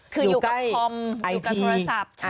คืออยู่กับคอมอยู่กับโทรศัพท์